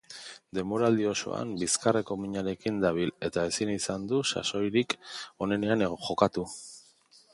Denboraldi osoan bizkarreko minarekin dabil eta ezin izan du sasoirik onenean jokatu.